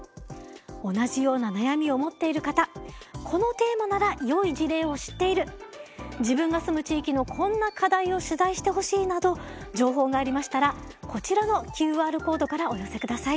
同じような悩みを持っている方このテーマならよい事例を知っている自分が住む地域のこんな課題を取材してほしいなど情報がありましたらこちらのＱＲコードからお寄せください。